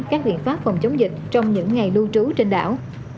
các biện pháp phòng chống dịch trong những ngày lưu trú trên đảo